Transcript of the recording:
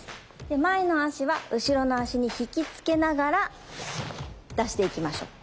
で前の足は後ろの足に引きつけながら出していきましょう。